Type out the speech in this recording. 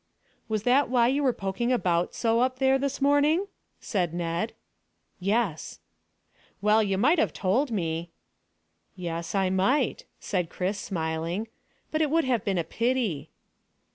"Was that why you were poking about so up there this morning?" said Ned. "Yes." "Well, you might have told me." "Yes, I might," said Chris, smiling, "but it would have been a pity."